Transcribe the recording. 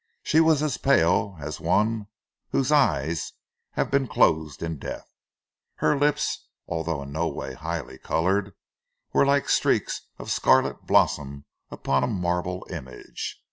She was as pale as one whose eyes have been closed in death. Her lips, although in no way highly coloured, were like streaks of scarlet blossom upon a marble image.